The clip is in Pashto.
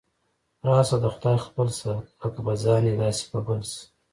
راشه د خدای خپل شه، لکه په ځان یې داسې په بل شه.